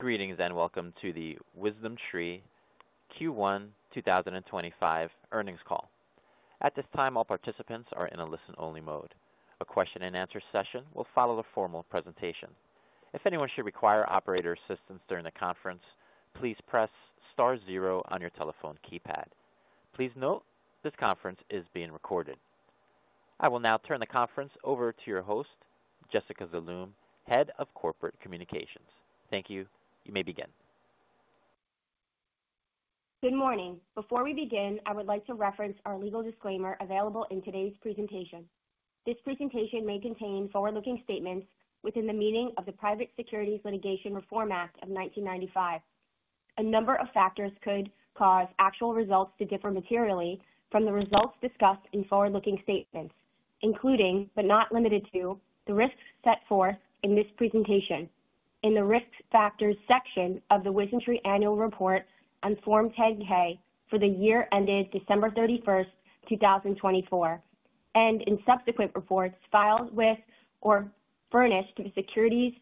Greetings and welcome to the WisdomTree Q1 2025 earnings call. At this time, all participants are in a listen-only mode. A question-and-answer session will follow a formal presentation. If anyone should require operator assistance during the conference, please press star zero on your telephone keypad. Please note this conference is being recorded. I will now turn the conference over to your host, Jessica Zaloom, Head of Corporate Communications. Thank you. You may begin. Good morning. Before we begin, I would like to reference our legal disclaimer available in today's presentation. This presentation may contain forward-looking statements within the meaning of the Private Securities Litigation Reform Act of 1995. A number of factors could cause actual results to differ materially from the results discussed in forward-looking statements, including, but not limited to, the risks set forth in this presentation in the risk factors section of the WisdomTree annual report on Form 10-K for the year ended December 31, 2024, and in subsequent reports filed with or furnished to the Securities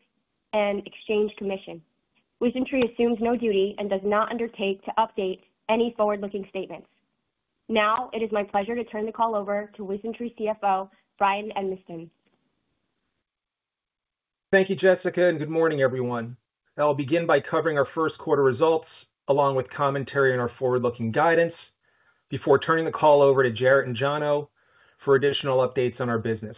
and Exchange Commission. WisdomTree assumes no duty and does not undertake to update any forward-looking statements. Now, it is my pleasure to turn the call over to WisdomTree CFO, Bryan Edmiston. Thank you, Jessica, and good morning, everyone. I'll begin by covering our first quarter results along with commentary on our forward-looking guidance before turning the call over to Jarrett and Jono for additional updates on our business.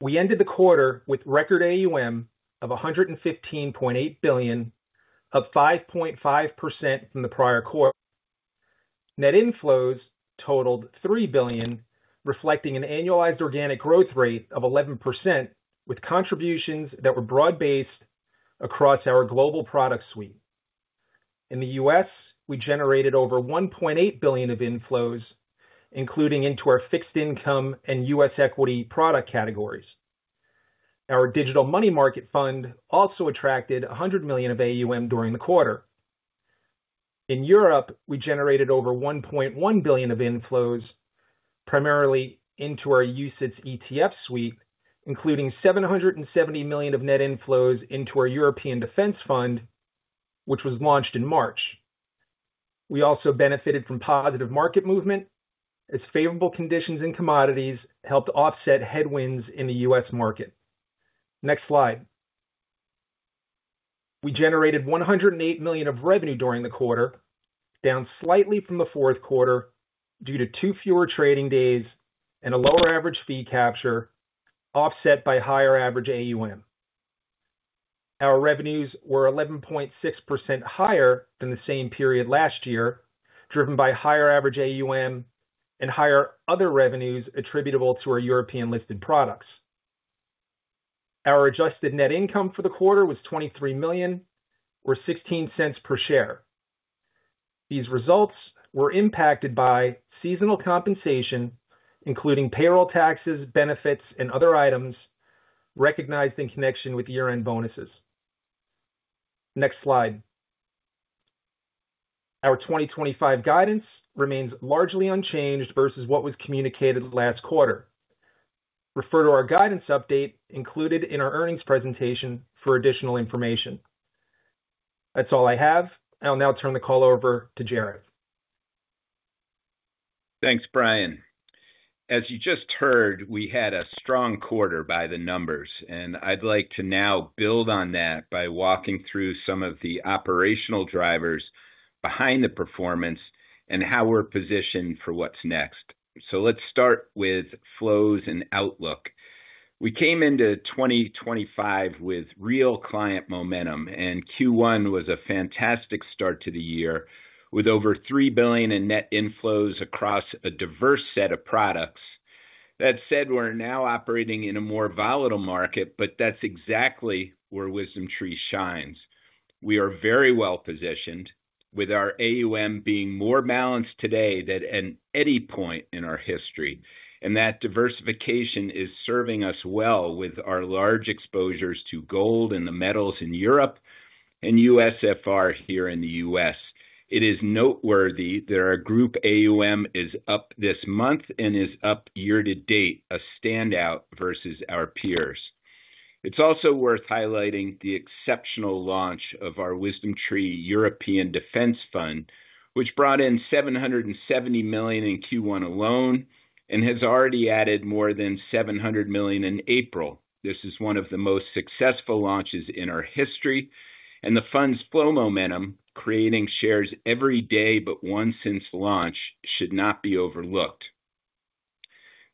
We ended the quarter with record AUM of $115.8 billion, up 5.5% from the prior quarter. Net inflows totaled $3 billion, reflecting an annualized organic growth rate of 11%, with contributions that were broad-based across our global product suite. In the U.S., we generated over $1.8 billion of inflows, including into our fixed income and U.S. equity product categories. Our digital money market fund also attracted $100 million of AUM during the quarter. In Europe, we generated over $1.1 billion of inflows, primarily into our UCITS ETF suite, including $770 million of net inflows into our European defense fund, which was launched in March. We also benefited from positive market movement as favorable conditions in commodities helped offset headwinds in the U.S. market. Next slide. We generated $108 million of revenue during the quarter, down slightly from the fourth quarter due to two fewer trading days and a lower average fee capture, offset by higher average AUM. Our revenues were 11.6% higher than the same period last year, driven by higher average AUM and higher other revenues attributable to our European listed products. Our adjusted net income for the quarter was $23 million, or $0.16 per share. These results were impacted by seasonal compensation, including payroll taxes, benefits, and other items recognized in connection with year-end bonuses. Next slide. Our 2025 guidance remains largely unchanged versus what was communicated last quarter. Refer to our guidance update included in our earnings presentation for additional information. That's all I have. I'll now turn the call over to Jarrett. Thanks, Bryan. As you just heard, we had a strong quarter by the numbers, and I'd like to now build on that by walking through some of the operational drivers behind the performance and how we're positioned for what's next. Let's start with flows and outlook. We came into 2025 with real client momentum, and Q1 was a fantastic start to the year with over $3 billion in net inflows across a diverse set of products. That said, we're now operating in a more volatile market, but that's exactly where WisdomTree shines. We are very well positioned, with our AUM being more balanced today than at any point in our history, and that diversification is serving us well with our large exposures to gold and the metals in Europe and USFR here in the U.S. It is noteworthy that our group AUM is up this month and is up year to date, a standout versus our peers. It's also worth highlighting the exceptional launch of our WisdomTree European Defense Fund, which brought in $770 million in Q1 alone and has already added more than $700 million in April. This is one of the most successful launches in our history, and the fund's flow momentum, creating shares every day but one since launch, should not be overlooked.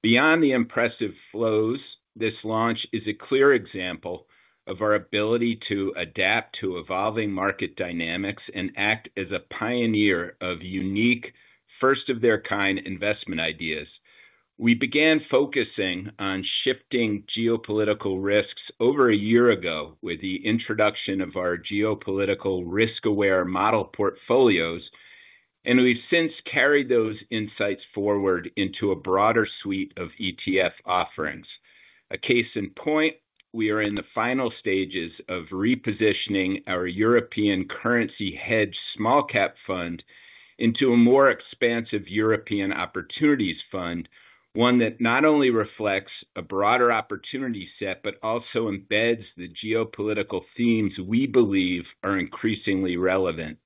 Beyond the impressive flows, this launch is a clear example of our ability to adapt to evolving market dynamics and act as a pioneer of unique, first-of-their-kind investment ideas. We began focusing on shifting geopolitical risks over a year ago with the introduction of our geopolitical risk-aware model portfolios, and we've since carried those insights forward into a broader suite of ETF offerings. A case in point, we are in the final stages of repositioning our European currency hedge small-cap fund into a more expansive European opportunities fund, one that not only reflects a broader opportunity set but also embeds the geopolitical themes we believe are increasingly relevant.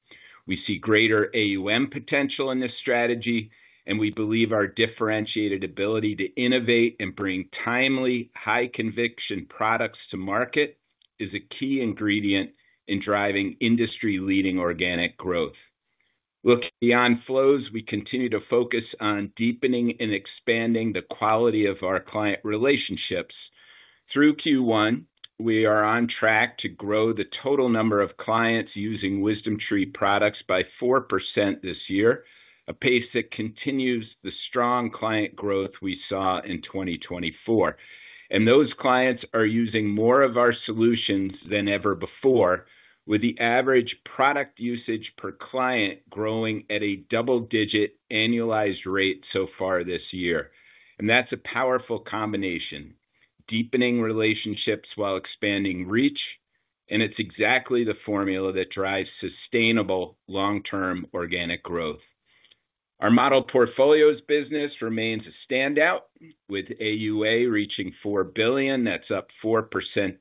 We see greater AUM potential in this strategy, and we believe our differentiated ability to innovate and bring timely, high-conviction products to market is a key ingredient in driving industry-leading organic growth. Looking beyond flows, we continue to focus on deepening and expanding the quality of our client relationships. Through Q1, we are on track to grow the total number of clients using WisdomTree products by 4% this year, a pace that continues the strong client growth we saw in 2024. Those clients are using more of our solutions than ever before, with the average product usage per client growing at a double-digit annualized rate so far this year. That is a powerful combination deepening relationships while expanding reach, and it is exactly the formula that drives sustainable long-term organic growth. Our model portfolios business remains a standout, with AUA reaching $4 billion. That is up 4%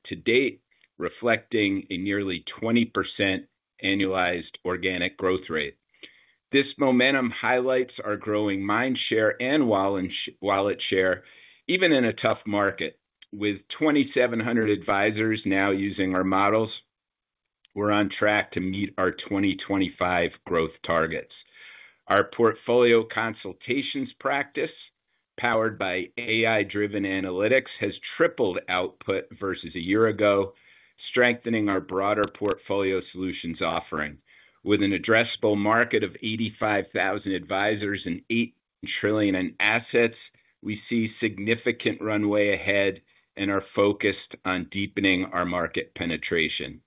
to date, reflecting a nearly 20% annualized organic growth rate. This momentum highlights our growing mind share and wallet share, even in a tough market. With 2,700 advisors now using our models, we are on track to meet our 2025 growth targets. Our portfolio consultations practice, powered by AI-driven analytics, has tripled output versus a year ago, strengthening our broader portfolio solutions offering. With an addressable market of 85,000 advisors and $8 trillion in assets, we see significant runway ahead and are focused on deepening our market penetration.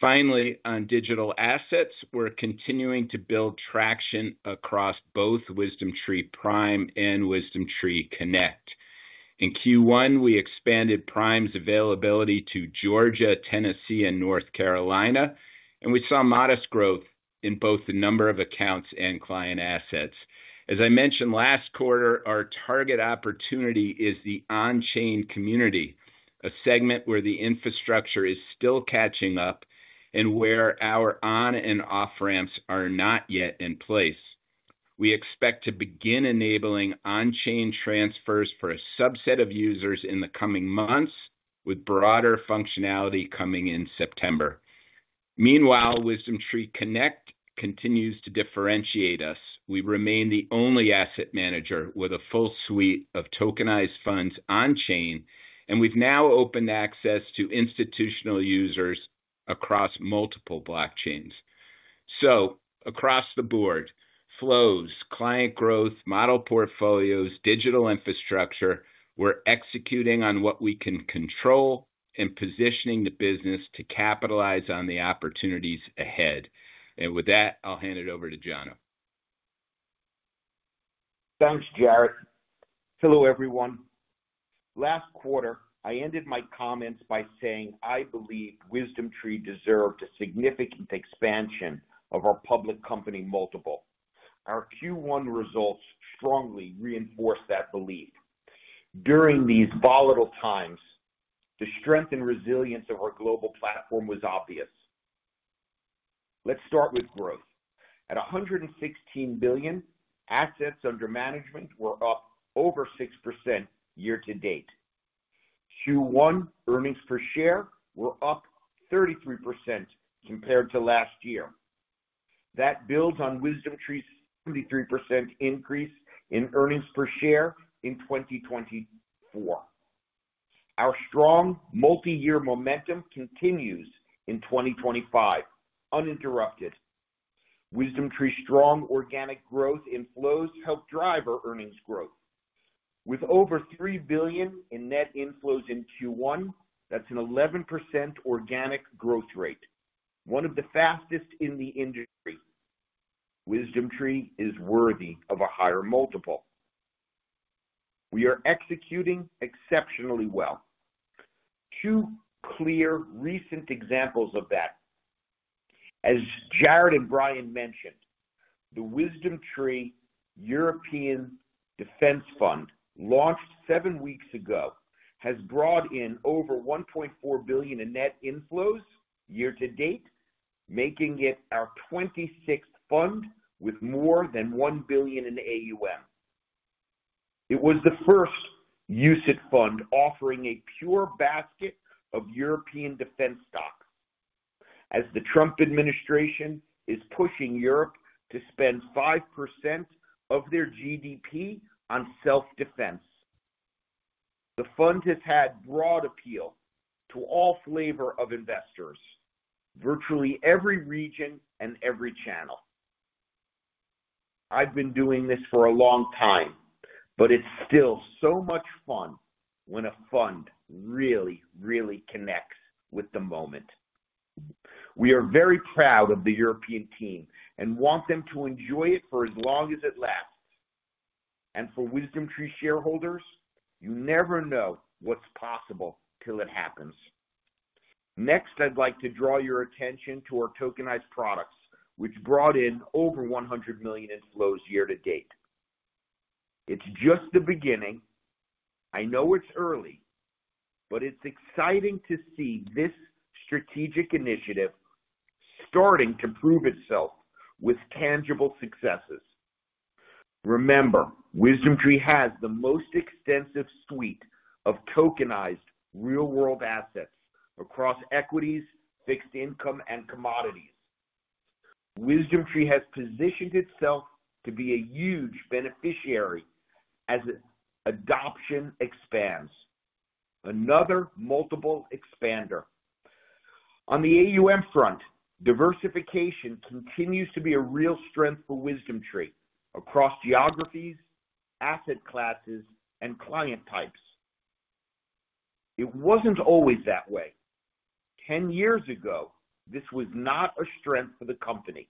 Finally, on digital assets, we're continuing to build traction across both WisdomTree Prime and WisdomTree Connect. In Q1, we expanded Prime's availability to Georgia, Tennessee, and North Carolina, and we saw modest growth in both the number of accounts and client assets. As I mentioned last quarter, our target opportunity is the on-chain community, a segment where the infrastructure is still catching up and where our on- and off-ramps are not yet in place. We expect to begin enabling on-chain transfers for a subset of users in the coming months, with broader functionality coming in September. Meanwhile, WisdomTree Connect continues to differentiate us. We remain the only asset manager with a full suite of tokenized funds on-chain, and we have now opened access to institutional users across multiple blockchains. Across the board, flows, client growth, model portfolios, digital infrastructure, we are executing on what we can control and positioning the business to capitalize on the opportunities ahead. With that, I will hand it over to Jono. Thanks, Jarrett. Hello, everyone. Last quarter, I ended my comments by saying I believe WisdomTree deserved a significant expansion of our public company multiple. Our Q1 results strongly reinforce that belief. During these volatile times, the strength and resilience of our global platform was obvious. Let's start with growth. At $116 billion, assets under management were up over 6% year to date. Q1 earnings per share were up 33% compared to last year. That builds on WisdomTree's 73% increase in earnings per share in 2024. Our strong multi-year momentum continues in 2025, uninterrupted. WisdomTree's strong organic growth and flows help drive our earnings growth. With over $3 billion in net inflows in Q1, that's an 11% organic growth rate, one of the fastest in the industry. WisdomTree is worthy of a higher multiple. We are executing exceptionally well. Two clear recent examples of that. As Jarrett and Bryan mentioned, the WisdomTree European Defense Fund, launched seven weeks ago, has brought in over $1.4 billion in net inflows year to date, making it our 26th fund with more than $1 billion in AUM. It was the first UCITS fund offering a pure basket of European defense stock, as the Trump administration is pushing Europe to spend 5% of their GDP on self-defense. The fund has had broad appeal to all flavors of investors, virtually every region and every channel. I've been doing this for a long time, but it's still so much fun when a fund really, really connects with the moment. We are very proud of the European team and want them to enjoy it for as long as it lasts. For WisdomTree shareholders, you never know what's possible till it happens. Next, I'd like to draw your attention to our tokenized products, which brought in over $100 million in flows year to date. It's just the beginning. I know it's early, but it's exciting to see this strategic initiative starting to prove itself with tangible successes. Remember, WisdomTree has the most extensive suite of tokenized real-world assets across equities, fixed income, and commodities. WisdomTree has positioned itself to be a huge beneficiary as adoption expands. Another multiple expander. On the AUM front, diversification continues to be a real strength for WisdomTree across geographies, asset classes, and client types. It wasn't always that way. Ten years ago, this was not a strength for the company,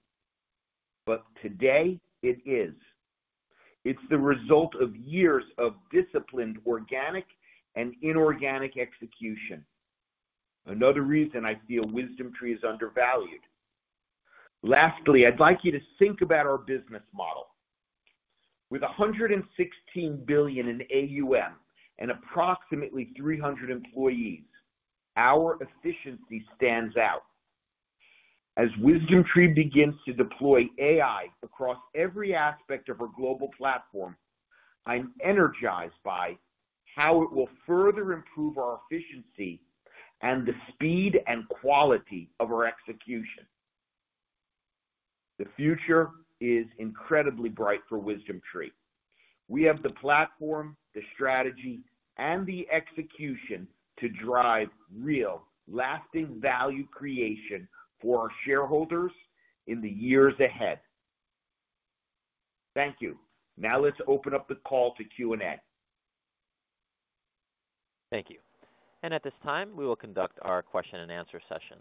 but today it is. It's the result of years of disciplined organic and inorganic execution. Another reason I feel WisdomTree is undervalued. Lastly, I'd like you to think about our business model. With $116 billion in AUM and approximately 300 employees, our efficiency stands out. As WisdomTree begins to deploy AI across every aspect of our global platform, I'm energized by how it will further improve our efficiency and the speed and quality of our execution. The future is incredibly bright for WisdomTree. We have the platform, the strategy, and the execution to drive real, lasting value creation for our shareholders in the years ahead. Thank you. Now let's open up the call to Q&A. Thank you. At this time, we will conduct our question-and-answer session.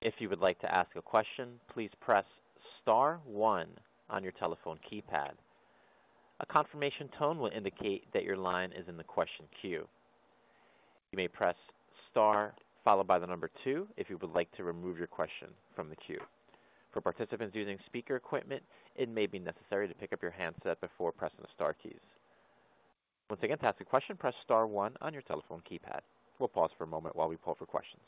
If you would like to ask a question, please press star one on your telephone keypad. A confirmation tone will indicate that your line is in the question queue. You may press star followed by the number two if you would like to remove your question from the queue. For participants using speaker equipment, it may be necessary to pick up your handset before pressing the star keys. Once again, to ask a question, press star one on your telephone keypad. We'll pause for a moment while we pull up for questions.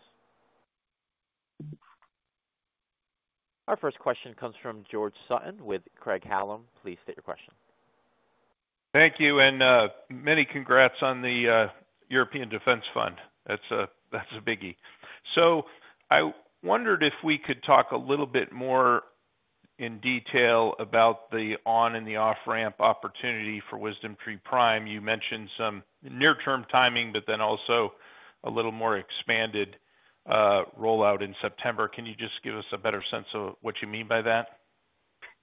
Our first question comes from George Sutton with Craig-Hallum. Please state your question. Thank you. Many congrats on the European Defense Fund. That is a biggie. I wondered if we could talk a little bit more in detail about the on- and the off-ramp opportunity for WisdomTree Prime. You mentioned some near-term timing, but then also a little more expanded rollout in September. Can you just give us a better sense of what you mean by that?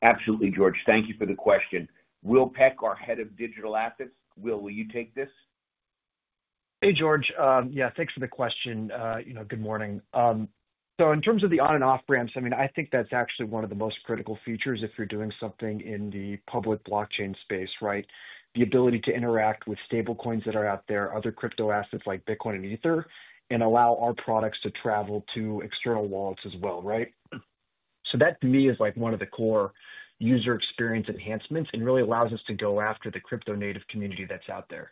Absolutely, George. Thank you for the question. Will Peck, our Head of Digital Assets, will you take this? Hey, George. Yeah, thanks for the question. Good morning. In terms of the on- and off-ramps, I mean, I think that's actually one of the most critical features if you're doing something in the public blockchain space, right? The ability to interact with stablecoins that are out there, other crypto assets like Bitcoin and Ether, and allow our products to travel to external wallets as well, right? That, to me, is one of the core user experience enhancements and really allows us to go after the crypto-native community that's out there.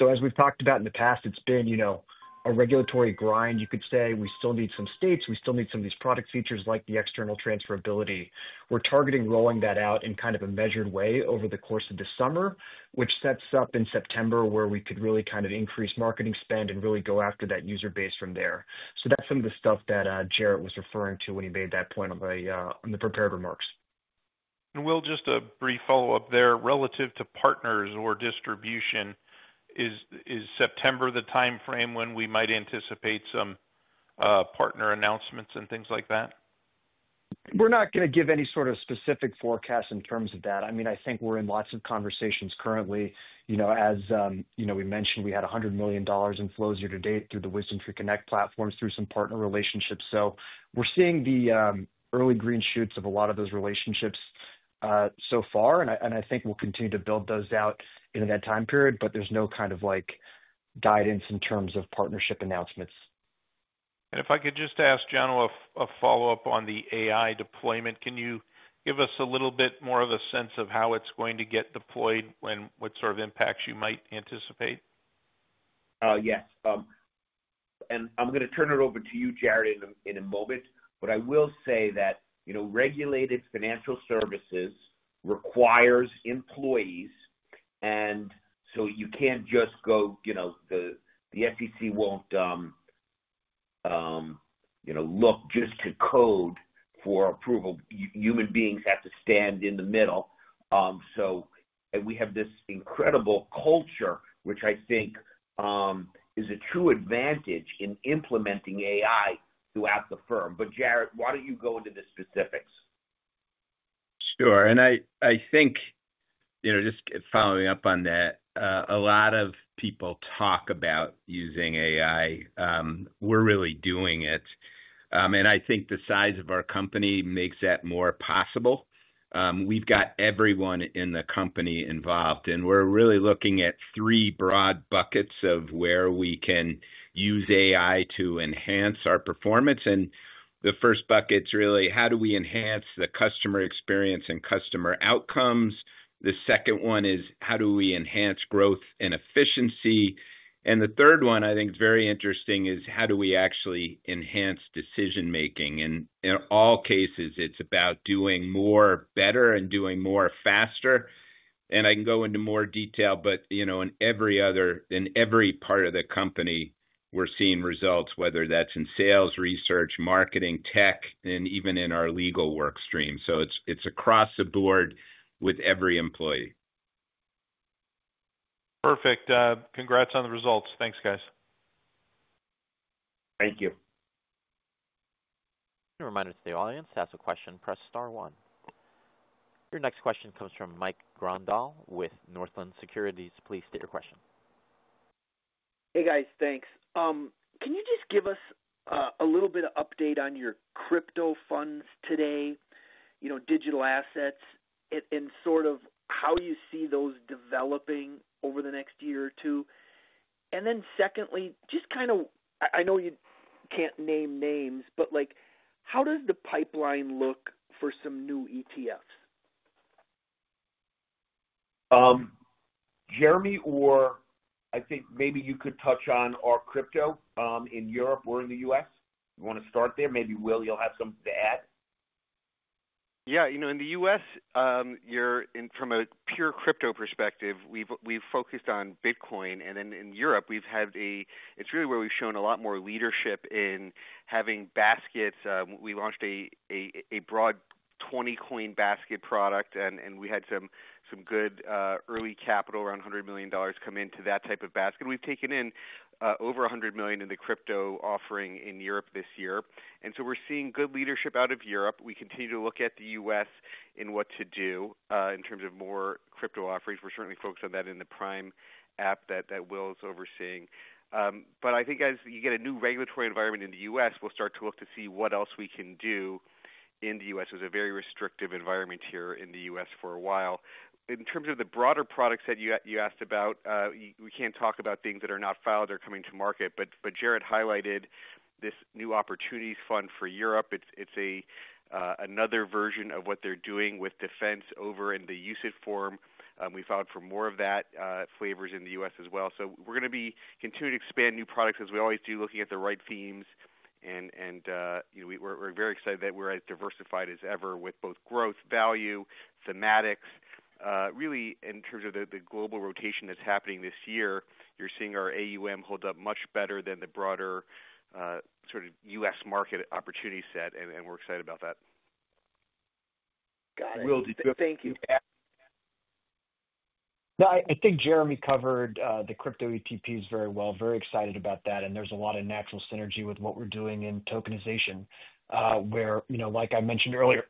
As we've talked about in the past, it's been a regulatory grind. You could say we still need some states, we still need some of these product features like the external transferability. We're targeting rolling that out in kind of a measured way over the course of this summer, which sets up in September where we could really kind of increase marketing spend and really go after that user base from there. That is some of the stuff that Jarrett was referring to when he made that point on the prepared remarks. Will, just a brief follow-up there. Relative to partners or distribution, is September the time frame when we might anticipate some partner announcements and things like that? We're not going to give any sort of specific forecast in terms of that. I mean, I think we're in lots of conversations currently. As we mentioned, we had $100 million in flows year to date through the WisdomTree Connect platforms, through some partner relationships. We're seeing the early green shoots of a lot of those relationships so far, and I think we'll continue to build those out in that time period, but there's no kind of guidance in terms of partnership announcements. If I could just ask Jono a follow-up on the AI deployment, can you give us a little bit more of a sense of how it's going to get deployed and what sort of impacts you might anticipate? Yes. I'm going to turn it over to you, Jarrett, in a moment, but I will say that regulated financial services requires employees, and you can't just go; the SEC won't look just to code for approval. Human beings have to stand in the middle. We have this incredible culture, which I think is a true advantage in implementing AI throughout the firm. Jarrett, why don't you go into the specifics? Sure. I think, just following up on that, a lot of people talk about using AI. We're really doing it. I think the size of our company makes that more possible. We've got everyone in the company involved, and we're really looking at three broad buckets of where we can use AI to enhance our performance. The first bucket is really, how do we enhance the customer experience and customer outcomes? The second one is, how do we enhance growth and efficiency? The third one, I think it's very interesting, is how do we actually enhance decision-making? In all cases, it's about doing more better and doing more faster. I can go into more detail, but in every part of the company, we're seeing results, whether that's in sales, research, marketing, tech, and even in our legal work stream. It's across the board with every employee. Perfect. Congrats on the results. Thanks, guys. Thank you. A reminder to the audience to ask a question, press star one. Your next question comes from Mike Grondahl with Northland Securities. Please state your question. Hey, guys. Thanks. Can you just give us a little bit of update on your crypto funds today, digital assets, and sort of how you see those developing over the next year or two? Secondly, just kind of—I know you can't name names, but how does the pipeline look for some new ETFs? Jeremy, or I think maybe you could touch on our crypto in Europe or in the U.S. You want to start there? Maybe Will, you'll have something to add. Yeah. In the U.S., from a pure crypto perspective, we've focused on Bitcoin. In Europe, we've had a—it's really where we've shown a lot more leadership in having baskets. We launched a broad 20-coin basket product, and we had some good early capital, around $100 million, come into that type of basket. We've taken in over $100 million in the crypto offering in Europe this year. We're seeing good leadership out of Europe. We continue to look at the U.S. in what to do in terms of more crypto offerings. We're certainly focused on that in the Prime app that Will is overseeing. I think as you get a new regulatory environment in the U.S., we'll start to look to see what else we can do in the U.S. It was a very restrictive environment here in the U.S. for a while. In terms of the broader products that you asked about, we can't talk about things that are not filed or coming to market, but Jarrett highlighted this new opportunities fund for Europe. It's another version of what they're doing with defense over in the UCITS form. We filed for more of that. Flavors in the U.S. as well. We are going to be continuing to expand new products as we always do, looking at the right themes. We are very excited that we are as diversified as ever with both growth, value, thematics. Really, in terms of the global rotation that's happening this year, you're seeing our AUM hold up much better than the broader sort of U.S. market opportunity set, and we're excited about that. Got it. Thank you. No, I think Jeremy covered the crypto ETPs very well. Very excited about that. There is a lot of natural synergy with what we are doing in tokenization, where, like I mentioned earlier,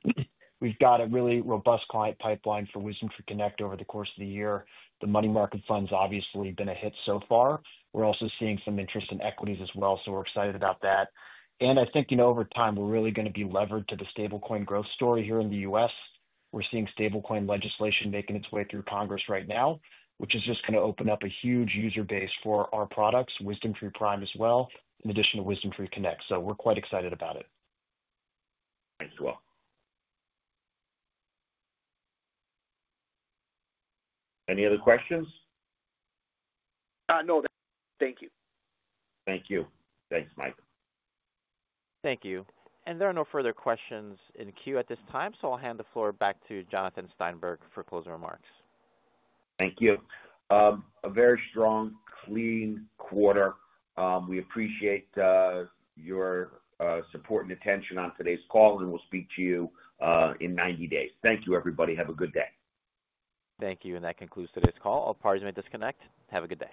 we have got a really robust client pipeline for WisdomTree Connect over the course of the year. The money market funds obviously have been a hit so far. We are also seeing some interest in equities as well, so we are excited about that. I think over time, we are really going to be levered to the stablecoin growth story here in the U.S. We are seeing stablecoin legislation making its way through Congress right now, which is just going to open up a huge user base for our products, WisdomTree Prime as well, in addition to WisdomTree Connect. We are quite excited about it. Thanks as well. Any other questions? No, thank you. Thank you. Thanks, Mike. Thank you. There are no further questions in queue at this time, so I'll hand the floor back to Jonathan Steinberg for closing remarks. Thank you. A very strong, clean quarter. We appreciate your support and attention on today's call, and we'll speak to you in 90 days. Thank you, everybody. Have a good day. Thank you. That concludes today's call. I will pardon my disconnect. Have a good day.